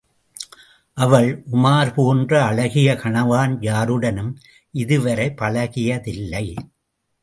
அவள் உமார் போன்ற அழகிய கனவான் யாருடனும் இதுவரை பழகியதில்லை.